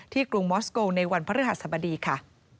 ที่กรุงมอสโกลในวันพระฤหสบดีค่ะ